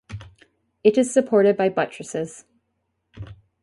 It is supported by buttresses.